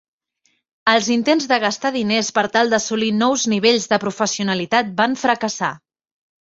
Els intents de gastar diners per tal d'assolir nous nivells de professionalitat van fracassar.